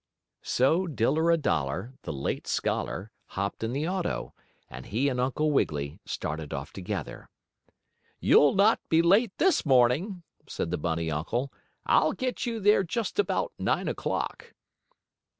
So Diller a Dollar, the late scholar, hopped in the auto, and he and Uncle Wiggily started off together. "You'll not be late this morning," said the bunny uncle. "I'll get you there just about nine o'clock."